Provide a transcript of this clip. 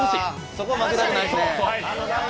そこは負けたくないですね。